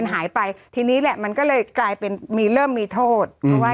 หายไปทีนี้แหละมันก็เลยกลายเป็นมีเริ่มมีโทษเพราะว่า